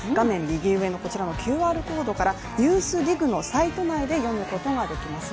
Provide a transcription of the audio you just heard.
右上のＱＲコードから「ＮＥＷＳＤＩＧ」のサイト内で読むことができます。